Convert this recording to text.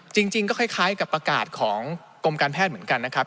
จริงก็คล้ายกับประกาศของกรมการแพทย์เหมือนกันนะครับ